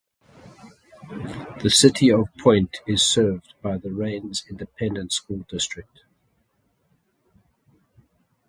The City of Point is served by the Rains Independent School District.